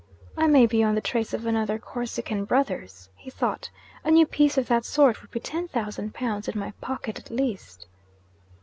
'I may be on the trace of another "Corsican Brothers,"' he thought. 'A new piece of that sort would be ten thousand pounds in my pocket, at least.'